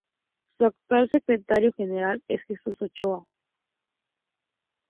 Su actual Secretario General es Jesús Ochoa.